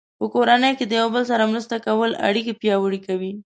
په کورنۍ کې د یو بل سره مرسته کول اړیکې پیاوړې کوي.